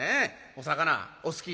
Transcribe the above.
お魚お好き。